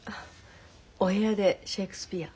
お部屋でシェークスピア。